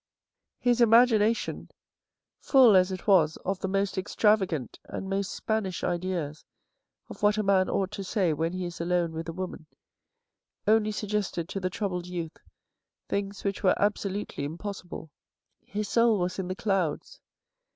His imagination, full as it was of the most extravagant and most Spanish ideas of what a man ought to say when he is alone with a woman, only suggested to the troubled youth things which were absolutely impossible. His soul was in the clouds.